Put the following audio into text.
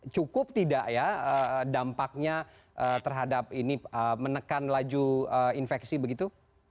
cukup tidak ya dampaknya terhadap ini menekan laju infeksi begitu